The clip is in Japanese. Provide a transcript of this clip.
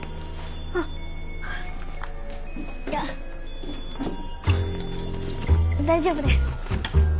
あっいや大丈夫です。